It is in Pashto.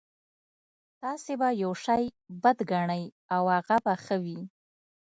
تاسې به يو شی بد ګڼئ او هغه به ښه وي.